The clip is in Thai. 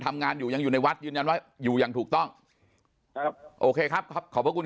ทำงานอยู่ยังอยู่ในวัดอยู่อย่างถูกต้องโอเคครับขอบคุณ